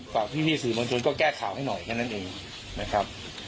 พี่สื่อมวลชนก็แก้ข่าวให้หน่อยแค่นั้นเองนะครับ